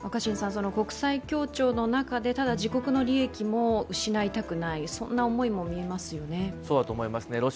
国際協調の中で、ただ自国の利益も失いたくない、そんな思いも見えますよね。